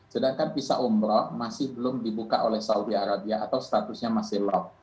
sedangkan visa umroh masih belum dibuka oleh saudi arabia atau statusnya masih lock